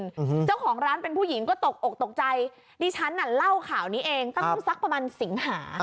อืมเจ้าของร้านเป็นผู้หญิงก็ตกอกตกใจดิฉันน่ะเล่าข่าวนี้เองตั้งสักประมาณสิงหา